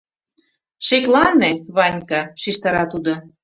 — Шеклане, Ванька, — шижтара тудо.